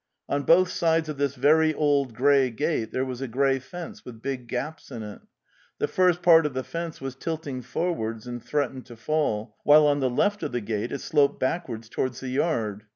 On both sides of this very old grey gate there was a grey fence with big gaps in it. The first part of the fence was tilting forwards and threatened to fall, while on the left of the gate it sloped backwards to wards the yard.